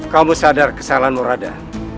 kamu sadar kesalahanmu radha